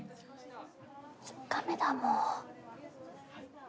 ３日目だもん。